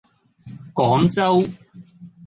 廣州